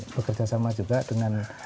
bekerjasama juga dengan